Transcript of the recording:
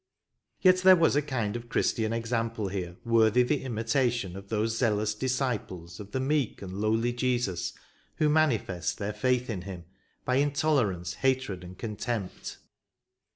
Yet there was a kind and Christian example here worthy the imitation of those zealous disciples of the meek and lowly Jesus who manifest their faith in Him by intolerance, hatred and contempt.